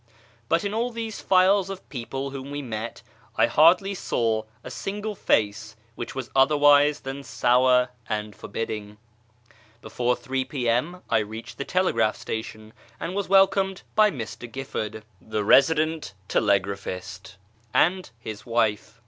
But in all these files of people whom we met I hardly saw a single face which was otherwise than sour and forbidding. Before 3 p.m. I reached the telegraph station, and was welcomed by Mr. Giffbrd, the resident telegraphist, and his wife.